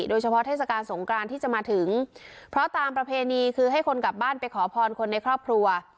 เทศกาลสงกรานที่จะมาถึงเพราะตามประเพณีคือให้คนกลับบ้านไปขอพรคนในครอบครัว